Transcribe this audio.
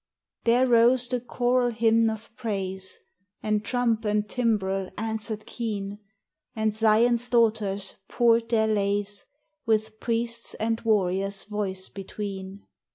There rose the choral hymn of praise, And trump and timbrel answered keen, And Zion's daughters poured their lays, With priest's and warrior's voice between.